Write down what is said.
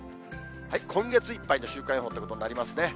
今月いっぱいの週間予報ということになりますね。